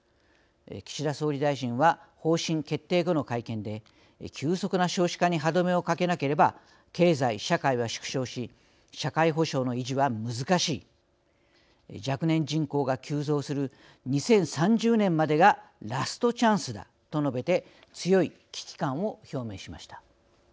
岸田総理大臣は方針決定後の会見で「急速な少子化に歯止めをかけなければ経済・社会は縮小し社会保障の維持は難しい」「若年人口が急増する２０３０年までがラストチャンスだ」と述べて強い危機感を表明しました。